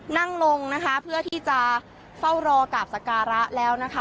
นั่งลงนะคะเพื่อที่จะเฝ้ารอกราบสการะแล้วนะคะ